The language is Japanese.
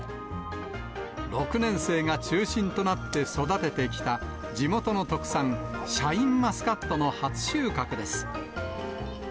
６年生が中心となって育ててきた、地元の特産、シャインマスカットの初収穫です。